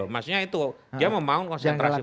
maksudnya itu dia membangun konsentrasi